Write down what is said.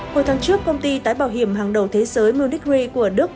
hồi tháng trước công ty tái bảo hiểm hàng đầu thế giới munich re của đức